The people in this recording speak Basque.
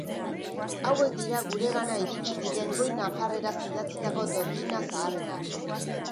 Hauek dira guregana iritsi diren goi-nafarreraz idatzitako dotrina zaharrenak.